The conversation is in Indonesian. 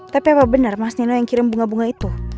tapi apa benar mas nino yang kirim bunga bunga itu